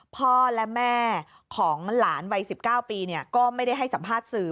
พ่อและแม่ของหลานวัย๑๙ปีก็ไม่ได้ให้สัมภาษณ์สื่อ